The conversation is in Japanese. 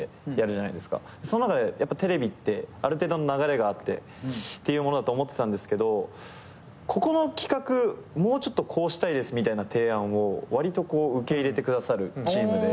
その中でテレビってある程度の流れがあってっていうものだと思ってたけどここの企画もうちょっとこうしたいですみたいな提案をわりと受け入れてくださるチームで。